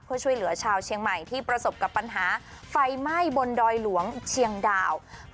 เพื่อช่วยเหลือชาวเชียงใหม่ที่ประสบกับปัญหาไฟไหม้บนดอยหลวงเชียงดาว